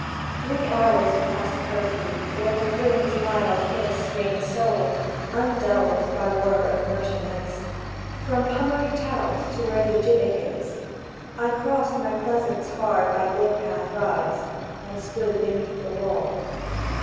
Three hours past Curfew, when the Froom's mild hiss Reigned sole, undulled by whirr of merchandize, From Pummery Tout to where the Gibbet is, I crossed my pleasaunce hard by Glyd'path Rise, And stood beneath the wall.